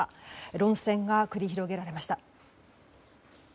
論戦が繰り広げられました。